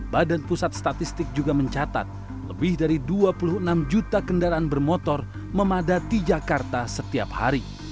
badan pusat statistik juga mencatat lebih dari dua puluh enam juta kendaraan bermotor memadati jakarta setiap hari